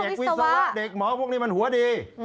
วิศวะเด็กหมอพวกนี้มันหัวดี